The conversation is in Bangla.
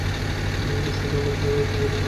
ওর সাথে আমার চলছে বাবু।